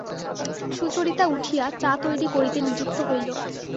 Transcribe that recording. সুচরিতা উঠিয়া চা তৈরি করিতে নিযুক্ত হইল।